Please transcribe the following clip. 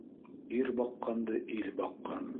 Ир баҡҡанды ил баҡҡан